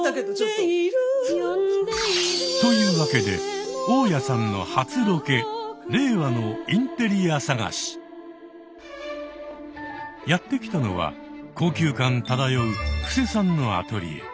「呼んでいる」というわけでやって来たのは高級感漂う布施さんのアトリエ。